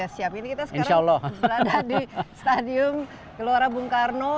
siap ini kita sekarang berada di stadium gelora bung karno